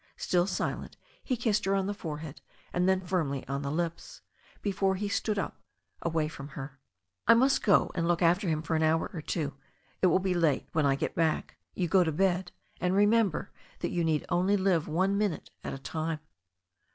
Still silent, he kissed her on the forehead and then firmly on her lips, before he stood up away from her. "I must go and look after him for an hour or two. It will be late when I get back. You go to bed. And re member that you need only live one minute at a time."